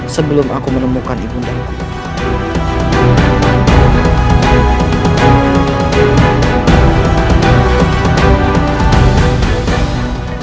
sebelum aku menemukan ibundaku